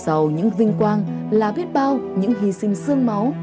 sau những vinh quang là biết bao những hy sinh sương máu